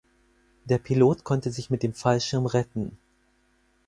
Der Pilot konnte sich mit dem Fallschirm retten.